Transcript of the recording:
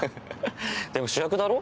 でも主役だろ？